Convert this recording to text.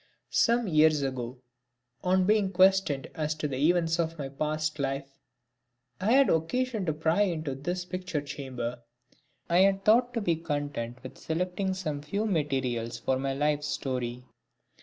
Some years ago, on being questioned as to the events of my past life, I had occasion to pry into this picture chamber. I had thought to be content with selecting some few materials for my Life's story.